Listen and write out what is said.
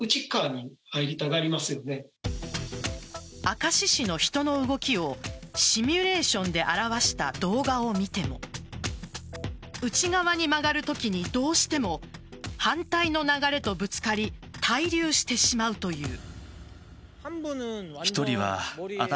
明石市の人の動きをシミュレーションで表した動画を見ても内側に曲がるときに、どうしても反対の流れとぶつかり滞留してしまうという。